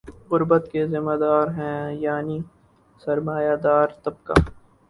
غربت کے ذمہ دار ہیں یعنی سر ما یہ دار طبقہ